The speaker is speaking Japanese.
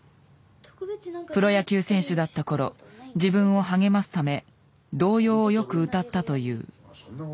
プロ野球選手だったころ自分を励ますため童謡をよく歌ったという。